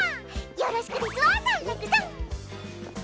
よろしくですわサンラクさん！